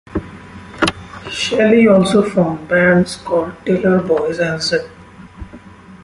Shelley also formed bands called The Tiller Boys, and Zip.